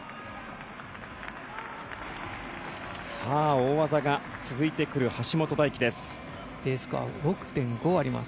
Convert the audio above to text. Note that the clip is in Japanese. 大技が続いてくる橋本大輝です。